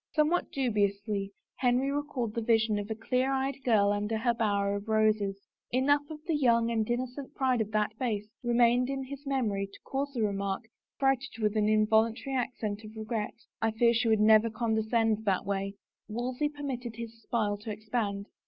Somewhat dubiously Henry recalled the vision of a clear eyed girl under her bower of roses. Enough of the young and innocent pride of that face remained in his memory to cause the remark, freighted with an in voluntary accent of regret, " I fear she would never condescend that way." Wolsey permitted his smile to expand.